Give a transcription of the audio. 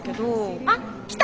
あっ来た！